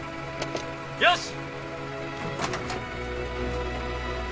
よし！